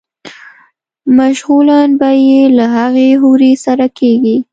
مشغولا به ئې له هغې حورې سره کيږي